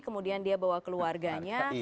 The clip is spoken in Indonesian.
kemudian dia bawa keluarganya